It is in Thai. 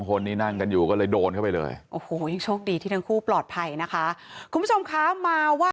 พ่อเป็นนั่งสักก่อนมาลุ่ม